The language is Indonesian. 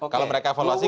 kalau mereka evaluasi